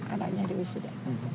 anaknya di wisuda